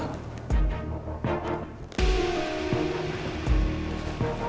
tentang apa yang akan terjadi